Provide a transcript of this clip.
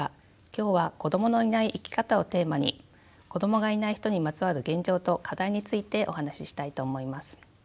今日は「子どものいない生き方」をテーマに子どもがいない人にまつわる現状と課題についてお話ししたいと思います。